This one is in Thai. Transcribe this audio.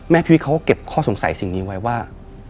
พี่วิทเขาก็เก็บข้อสงสัยสิ่งนี้ไว้ว่า